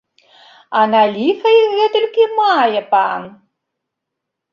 На ліха іх гэтулькі мае пан?